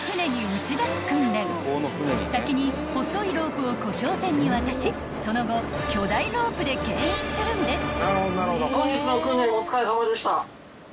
［先に細いロープを故障船に渡しその後巨大ロープでけん引するんです］